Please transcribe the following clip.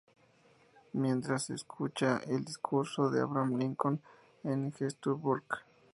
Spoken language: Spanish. Mientras se escucha el discurso de Abraham Lincoln en Gettysburg.